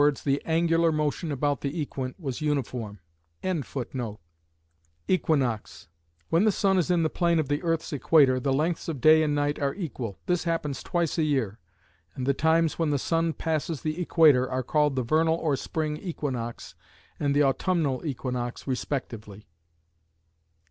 the angular motion about the equant was uniform.] Equinox: When the sun is in the plane of the earth's equator the lengths of day and night are equal. This happens twice a year, and the times when the sun passes the equator are called the vernal or spring equinox and the autumnal equinox respectively.